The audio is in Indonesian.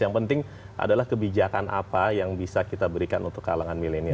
yang penting adalah kebijakan apa yang bisa kita berikan untuk kalangan milenial